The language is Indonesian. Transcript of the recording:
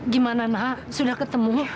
gimana nak sudah ketemu